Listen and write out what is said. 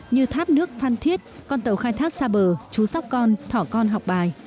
như tháp nước phan thiết con tàu khai thác xa bờ chú sóc con thỏ con học bài